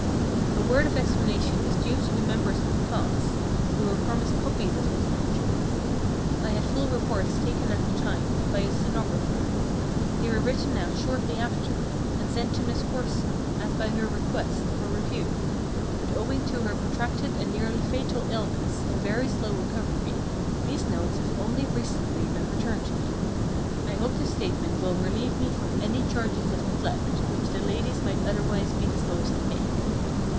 A word of explanation is due to the members of the class, who were promised copies of these lectures. I had full reports taken at the time, by a stenographer. They were written out shortly after, and sent to Miss Corson, as by her request, for review; but owing to her protracted and nearly fatal illness and very slow recovery, these notes have only recently been returned to me. I hope this statement will relieve me from any charges of neglect, which the ladies might otherwise be disposed to make.